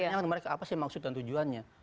jadi mereka apa sih maksud dan tujuannya